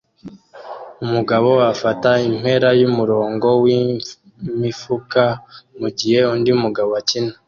Umugabo afata impera yumurongo wimifuka mugihe undi mugabo akina